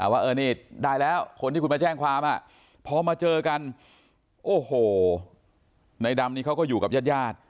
ว่าได้แล้วคนที่คุณมาแจ้งความพอมาเจอกันในดำนี้เขาก็อยู่กับญาติยาด